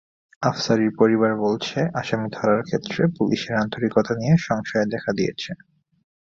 আফসারির পরিবার বলছে, আসামি ধরার ক্ষেত্রে পুলিশের আন্তরিকতা নিয়ে সংশয় দেখা দিয়েছে।